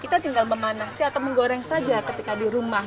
kita tinggal memanasi atau menggoreng saja ketika di rumah